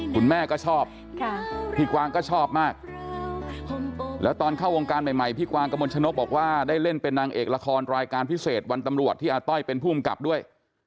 คุณแม่ก็ชอบพี่กวางก็ชอบมากแล้วตอนเข้าวงการใหม่พี่กวางกระมวลชนกบอกว่าได้เล่นเป็นนางเอกละครรายการพิเศษวันตำรวจที่อาต้อยเป็นผู้กำกับด้วย